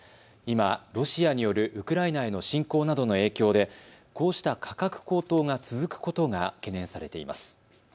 今、ロシアによるウクライナへの侵攻などの影響でこうした価格高騰が続くことが懸念されています。